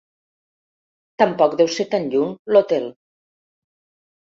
Tampoc deu ser tan lluny, l'hotel.